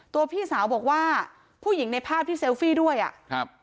พี่สาวบอกว่าผู้หญิงในภาพที่เซลฟี่ด้วยอ่ะครับ